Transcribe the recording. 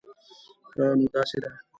ښه، نو داسې ده